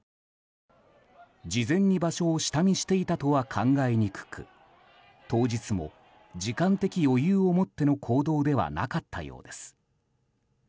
事前に場所を下見していたとは考えにくく当日も時間的余裕を持っての行動ではなかったようです。